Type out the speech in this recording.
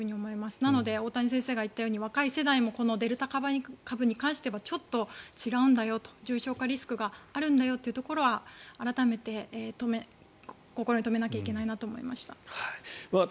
なので、大谷先生が言ったように若い世代もデルタ株に関してはちょっと違うんだよと重症化リスクがあるんだよというところは改めて、心に留めなきゃいけないなと思いました。